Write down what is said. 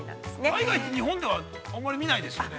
◆ハイガイって、日本では、あまり見ないですよね。